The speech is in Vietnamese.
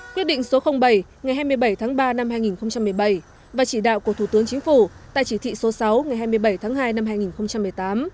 quyết định số bảy ngày hai mươi bảy tháng ba năm hai nghìn một mươi bảy và chỉ đạo của thủ tướng chính phủ tại chỉ thị số sáu ngày hai mươi bảy tháng hai năm hai nghìn một mươi tám